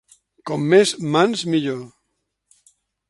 Com més mans millor.